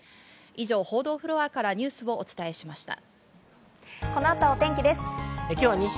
以上、報道フロアからニュースをお伝えしました。